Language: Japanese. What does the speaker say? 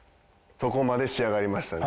そこまで仕上がりましたね。